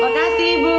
terima kasih ibu